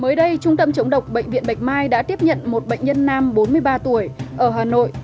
mới đây trung tâm chống độc bệnh viện bạch mai đã tiếp nhận một bệnh nhân nam bốn mươi ba tuổi ở hà nội